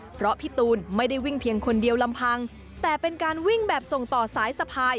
เพราะพี่ตูนไม่ได้วิ่งเพียงคนเดียวลำพังแต่เป็นการวิ่งแบบส่งต่อสายสะพาย